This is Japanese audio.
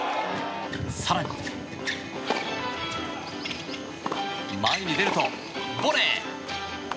更に、前に出るとボレー！